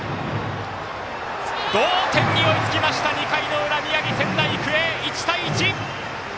同点に追いつきました２回の裏、宮城、仙台育英１対１！